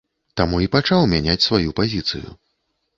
Таму і пачаў мяняць сваю пазіцыю.